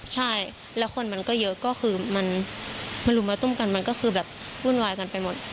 ใช่แล้วคนมันก็เยอะก็คือมันลุมมาตุ้มกันมันก็คือแบบวุ่นวายกันไปหมด